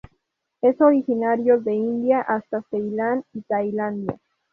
Es originario de India hasta Ceilán y Tailandia.